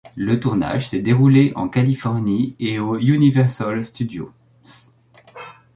Le tournage s'est déroulé en Californie et aux Universal Studios.